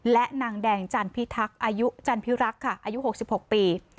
และนางแดงจันทร์พี่ทักอายุจันทร์พี่รักค่ะอายุหกสิบหกปี